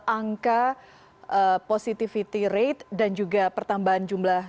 angka positivity rate dan juga pertambahan jumlah